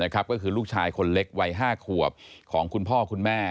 ก็คือลูกชายคนเล็กวัย๕ขวบของคุณพ่อคุณแม่